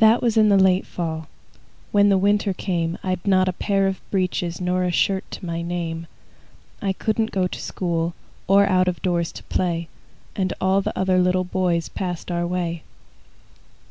That was in the late fall. When the winter came, I'd not a pair of breeches Nor a shirt to my name. I couldn't go to school, Or out of doors to play. And all the other little boys Passed our way.